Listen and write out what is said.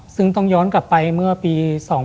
ซึ่งต้องย้อนกลับไปเมื่อปี๒๕๕๙